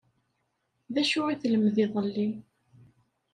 D acu i telmd iḍelli?